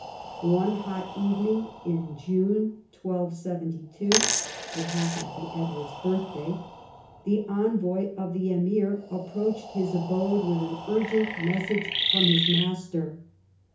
One hot evening in June 1272 — it happened to be Edward's birthday — the envoy of the Emir approached his abode with an urgent message from his master.